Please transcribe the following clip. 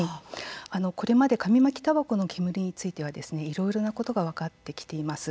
これまで、紙巻きたばこの煙についてはいろいろなことが分かってきています。